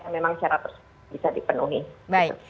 memang syarat tersebut bisa dipenuhi